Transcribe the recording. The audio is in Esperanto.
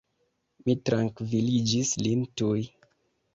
Mi trankviliĝis lin tuj.